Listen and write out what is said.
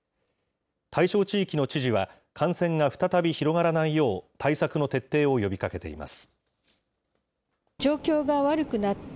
対象地域の知事は、感染が再び広がらないよう対策の徹底を呼びかけています。